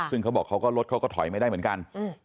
ซึ่งเขาบอกเขาก็ทยอยไม่ได้เหมือนกัน